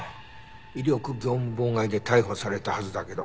威力業務妨害で逮捕されたはずだけど。